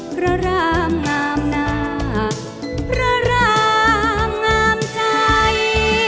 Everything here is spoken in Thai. พระรามงามหน้าพระรามงามใจ